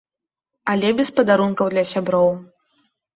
Але без падарункаў для сяброў.